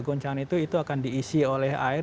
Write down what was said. goncangan itu itu akan diisi oleh air